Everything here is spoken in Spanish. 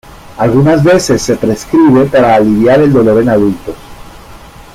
Algunas veces se prescribe para aliviar el dolor en adultos.